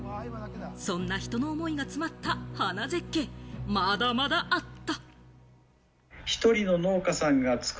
そんな人の思いが詰まった花絶景、まだまだあった！